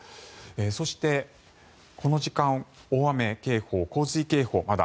そして、この時間大雨警報、洪水警報まだ